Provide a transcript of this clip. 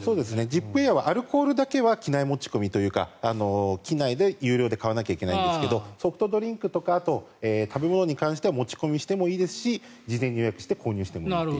ジップエアはアルコールだけは機内持ち込みというか機内で有料で買わなきゃいけないんですがソフトドリンクとか食べ物に関しては持ち込みしてもいいですし事前に予約して購入してもいいと。